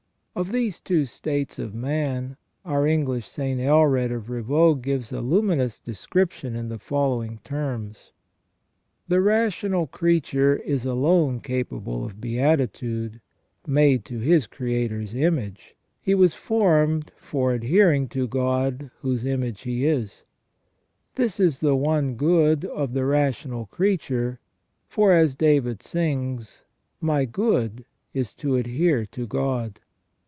Of these two states of man, our English St. Aelred of Rivaux gives a luminous description in the following terms: "The rational creature is alone capable of beatitude; made to his Creator's image, he was formed for adhering to God whose image he is ; this is the one good of the rational creature, for, as David sings :' My good is to adhere to God'.